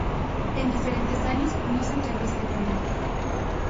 En diferentes años no se entregó este premio.